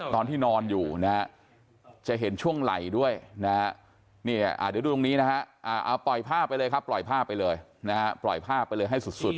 ดูตรงนี้นะครับปล่อยภาพไปเลยนะฮะปล่อยภาพไปเลยให้สุดสุด